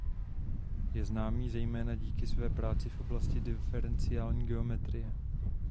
Je známý zejména díky své práci v oblasti diferenciální geometrie.